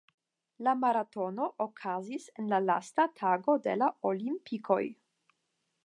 La maratono okazis en la lasta tago de la Olimpikoj.